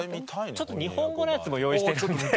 ちょっと日本語のやつも用意してるんで。